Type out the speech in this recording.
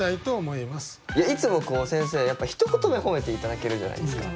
いつも先生やっぱひと言目褒めて頂けるじゃないですか。